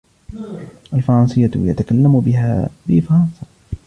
الفرنسية يتكلم بها في فرنسا.